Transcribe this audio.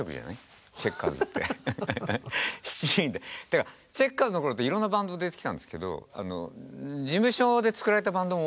だからチェッカーズの頃っていろんなバンド出てきたんですけど事務所で作られたバンドも多かったんですよ